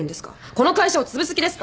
この会社をつぶす気ですか！？